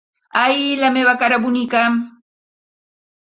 Ai, la meva cara bonica!